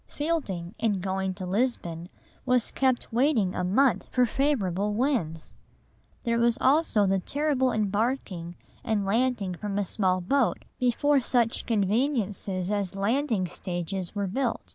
Fielding, in going to Lisbon, was kept waiting a month for favourable winds! There was also the terrible embarking and landing from a small boat before such conveniences as landing stages were built.